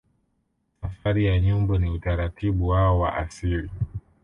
Safari ya Nyumbu ni utaratibu wao wa asili